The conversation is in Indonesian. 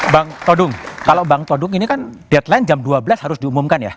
bang todung kalau bang todung ini kan deadline jam dua belas harus diumumkan ya